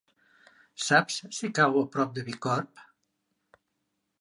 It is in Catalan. Saps si cau a prop de Bicorb?